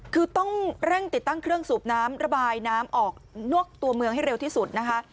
คือต้องเร่งติดตั้งเครื่องสูบน้ำระบายน้ำออกนอกตัวเมืองให้เร็วที่สุดนะคะ